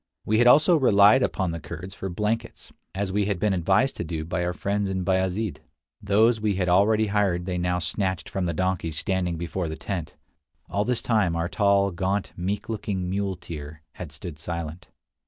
We had also relied upon the Kurds for blankets, as we had been advised to do by our friends in Bayazid. Those we had already hired they now snatched from the donkeys standing before the tent. All this time our tall, gaunt, meek looking muleteer had stood silent.